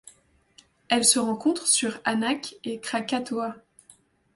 Elle se rencontre sur et Anak Krakatoa.